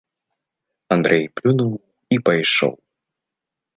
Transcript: Андрэй плюнуў і пайшоў.